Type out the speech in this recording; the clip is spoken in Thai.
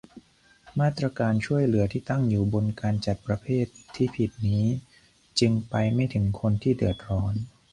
มาตรการช่วยเหลือที่ตั้งอยู่บนการจัดประเภทที่ผิดนี้ จึงไปไม่ถึงคนที่เดือดร้อน